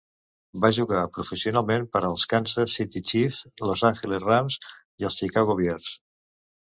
Va jugar professionalment per als Kansas City Chiefs, Los Angeles Rams i els Chicago Bears.